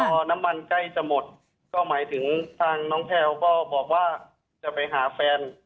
พอน้ำมันใกล้จะหมดก็หมายถึงทางน้องแพลวก็บอกว่าจะไปหาแฟน